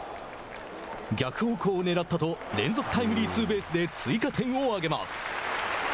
逆方向をねらったと連続タイムリーツーベースで追加点をあげます。